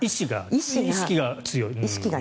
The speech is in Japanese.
意識が強い。